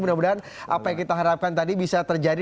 mudah mudahan apa yang kita harapkan tadi bisa terjadi